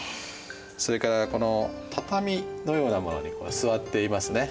それからこの畳のようなものに座っていますね。